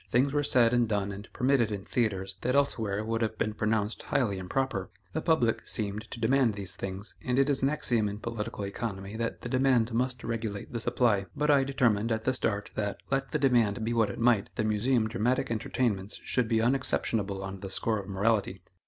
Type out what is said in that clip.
Things were said and done and permitted in theatres that elsewhere would have been pronounced highly improper. The public seemed to demand these things, and it is an axiom in political economy, that the demand must regulate the supply. But I determined, at the start, that, let the demand be what it might, the Museum dramatic entertainments should be unexceptionable on the score of morality.